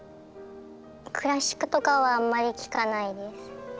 クラシックとかはあんまり聴かないです。